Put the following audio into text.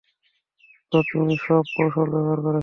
তো, তুমি সব কৌশল ব্যবহার করেছ।